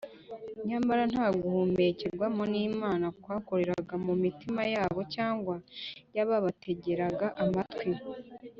nyamara nta guhumekerwamo n’imana kwakoreraga mu mitima yabo cyangwa mu y’ababategeraga amatwi